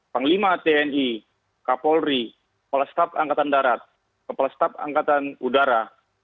panglima tni kapolri kepala staf angkatan darat kepala staf angkatan udara